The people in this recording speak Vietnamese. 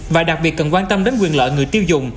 và đặc biệt cần quan tâm đến quyền lợi người tiêu dùng